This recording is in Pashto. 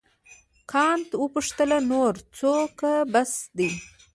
کانت وپوښتل نور څښو که بس دی.